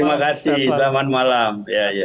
terima kasih selamat malam